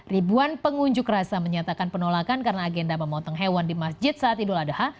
ribuan pengunjuk rasa menyatakan penolakan karena agenda memotong hewan di masjid saat idul adha